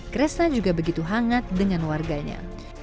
kresna juga begitu hangat dengan warganya